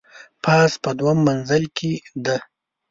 پاس په دوهم منزل کي دی .